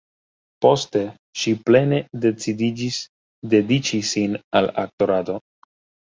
Poste ŝi plene decidiĝis dediĉi sin al aktorado.